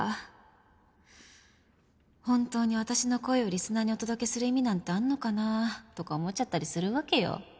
本当に私の声をリスナーにお届けする意味なんてあんのかなとか思っちゃったりするわけよ。